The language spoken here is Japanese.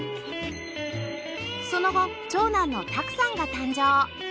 その後長男の拓さんが誕生